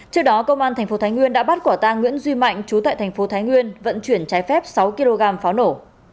trước đó công an tp thái nguyên đã bắt quả tang nguyễn duy mạnh chú tại tp thái nguyên vận chuyển cháy phép sáu kg pháo nổ